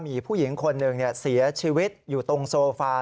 มีผู้หญิงคนหนึ่งเสียชีวิตอยู่ตรงโซฟา